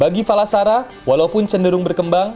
bagi fala sara walaupun cenderung berkembang